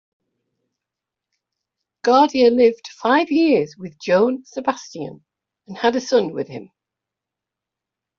Guardia lived five years with Joan Sebastian and had a son with him.